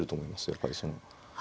やっぱりその。